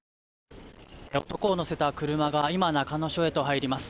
男を乗せた車が今、中野署へと入ります。